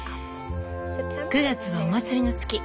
「９月はお祭りの月。